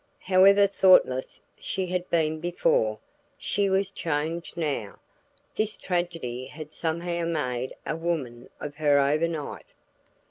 However thoughtless she had been before, she was changed now; this tragedy had somehow made a woman of her over night.